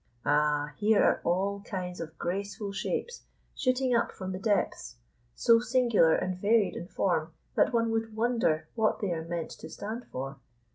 Ah, here are all kinds of graceful shapes shooting up from the depths, so singular and varied in form, that one would wonder what they are meant to stand for.